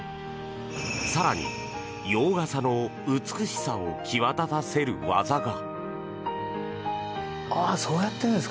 更に、洋傘の美しさを際立たせる技が。